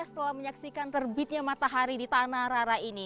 setelah menyaksikan terbitnya matahari di tanah rara ini